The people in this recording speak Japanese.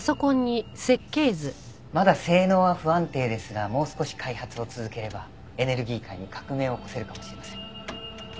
まだ性能は不安定ですがもう少し開発を続ければエネルギー界に革命を起こせるかもしれません。